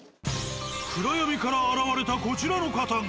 暗闇から現れたこちらの方が。